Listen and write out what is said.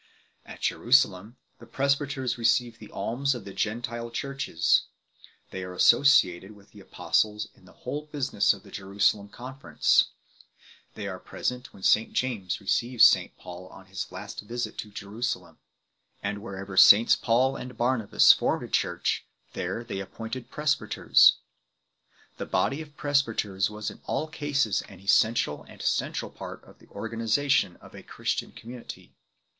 At Jerusalem the presbyters receive the alms of the Gentile churches 1 ; they are associated with the apostles in the whole business of the Jerusalem confer ence 2 ; they are present when St James receives St Paul on his last visit to Jerusalem 3 . And wherever SS. Paul and Barnabas formed a church, there they appointed presbyters 4 . The body of presbyters was in all cases an essential and central part of the organization of a Chris tian community.